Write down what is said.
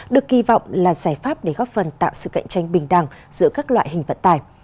được kỳ vọng là giải pháp để góp phần tạo sự cạnh tranh bình đẳng giữa các loại hình vận tải